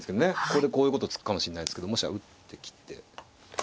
ここでこういうこと突くかもしれないですけどもし打ってきて。